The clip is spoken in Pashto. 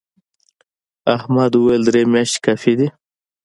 احمد وويل: درې میاشتې کافي دي.